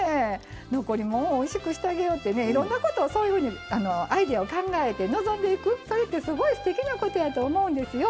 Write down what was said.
残り物をおいしくしてあげようってねいろんなことそういうふうにアイデアを考えて臨んでいくそれってすごいすてきなことやと思うんですよ。